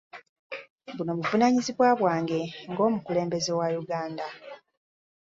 Buno buvunaanyizibwa bwange ng'omukulembeze wa Uganda